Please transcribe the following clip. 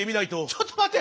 ちょっと待って！